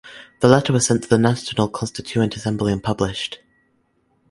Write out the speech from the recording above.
The letter was sent to the National Constituent Assembly and published.